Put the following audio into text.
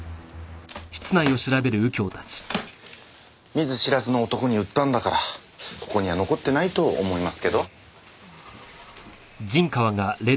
見ず知らずの男に売ったんだからここには残ってないと思いますけど。